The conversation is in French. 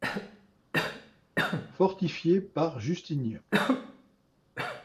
Fortifiée par Justinien.